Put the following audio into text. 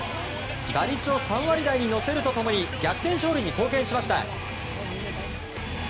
打率を３割台に乗せると共に逆転勝利に貢献しました。